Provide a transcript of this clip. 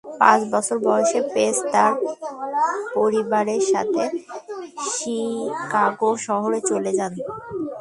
পাঁচ বছর বয়সে পেজ তার পরিবারের সাথে শিকাগো শহরে চলে যান।